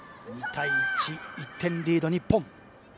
２対１、１点リードの日本。